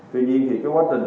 tuy nhiên quá trình